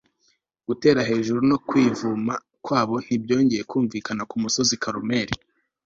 Gutera hejuru no kwivuma kwabo ntibyongeye kumvikana ku musozi Karumeli